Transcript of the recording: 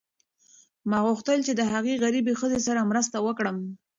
ما غوښتل چې د هغې غریبې ښځې سره مرسته وکړم.